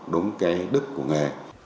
đúng cái đức của nghề